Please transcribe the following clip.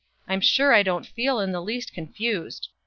I'm sure I don't feel in the least confused.